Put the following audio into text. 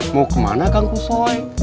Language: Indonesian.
mau kemana kangku soi